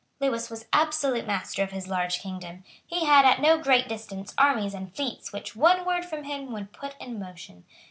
Lewis was absolute master of his large kingdom. He had at no great distance armies and fleets which one word from him would put in motion.